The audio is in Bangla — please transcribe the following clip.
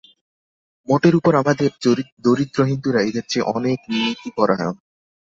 মোটের উপর আমাদের দরিদ্র হিন্দুরা এদের চেয়ে অনেক নীতিপরায়ণ।